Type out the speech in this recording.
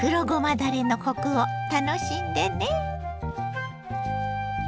だれのコクを楽しんでね。